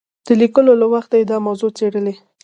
د لیکلو له وخته یې دا موضوع څېړلې.